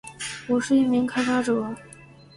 我是一名开发者